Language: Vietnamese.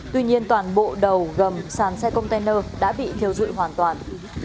tuy nhiên toàn bộ đầu gầm sàn xe container đã bị thiêu dụi hoàn toàn